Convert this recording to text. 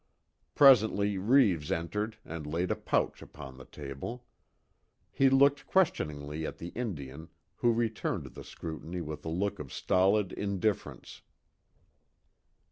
Presently Reeves entered and laid a pouch upon the table. He looked questioningly at the Indian who returned the scrutiny with a look of stolid indifference.